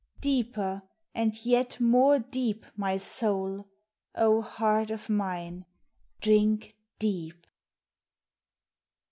Deeper and yet more deep, my soul, O heart of mine, drink deep